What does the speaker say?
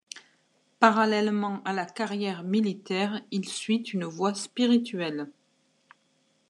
Parallèlement à la carrière militaire il suit une voie spirituelle.